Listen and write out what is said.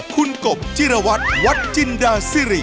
คุณกบจิรวัตรวัดจินดาซิริ